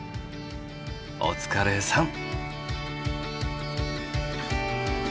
お疲れさん！